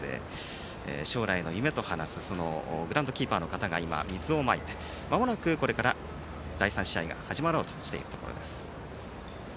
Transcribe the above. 将来の夢と話すグラウンドキーパーの方が今、水をまいてまもなく第３試合が始まろうとしているところです。